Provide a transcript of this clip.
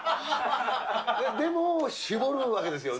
でも、絞るわけですよね？